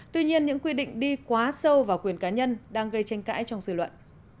tuy nhiên những quy định đi quá sâu vào quyền cá nhân đang gây tranh cãi trong dự luận